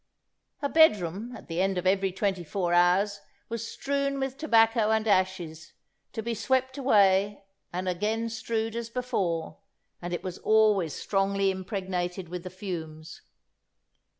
"Her bedroom, at the end of every twenty four hours, was strewed with tobacco and ashes, to be swept away and again strewed as before; and it was always strongly impregnated with the fumes.